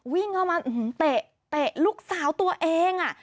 วิ่งเข้ามาเตะลูกสาวตัวเอง